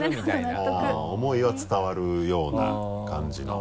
あぁ思いは伝わるような感じの。